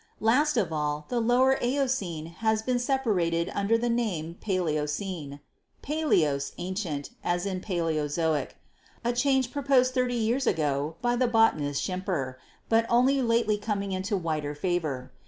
Last of all, the Lower Eocene has been separated under the name Paleo cene (palaios, ancient, as in Paleozoic), a change pro posed thirty years ago by the botanist Schimper, but only lately coming into wider favor.